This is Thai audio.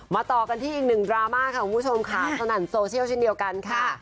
ต่อกันที่อีกหนึ่งดราม่าค่ะคุณผู้ชมค่ะสนั่นโซเชียลเช่นเดียวกันค่ะ